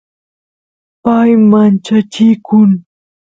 pay manchachikun